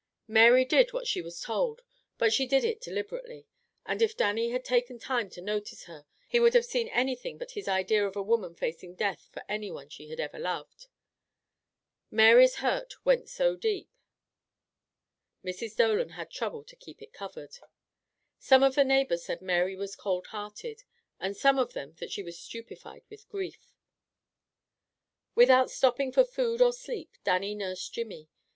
Mary did what she was told, but she did it deliberately, and if Dannie had taken time to notice her he would have seen anything but his idea of a woman facing death for any one she ever had loved. Mary's hurt went so deep, Mrs. Dolan had trouble to keep it covered. Some of the neighbors said Mary was cold hearted, and some of them that she was stupefied with grief. Without stopping for food or sleep, Dannie nursed Jimmy.